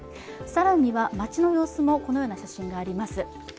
更には街の様子もこのような写真があります。